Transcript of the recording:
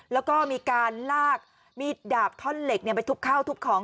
แล้วก็มีการลากมีดดาบท่อนเหล็กไปทุบข้าวทุบของ